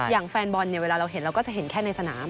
อย่างแฟนบอลเนี่ยเวลาเราเห็นเราก็จะเห็นแค่ในสนาม